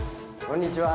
こんにちは。